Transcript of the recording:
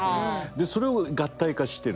それを合体化してる。